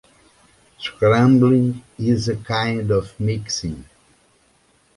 Scrambling is a kind of mixing.